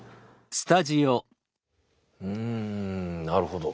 うんなるほど。